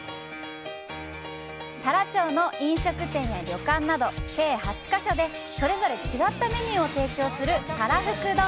太良町の飲食店や旅館など計８か所でそれぞれ違ったメニューを提供するたらふく丼。